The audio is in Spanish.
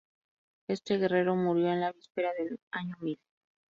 Este guerrero murió en la víspera del año mil.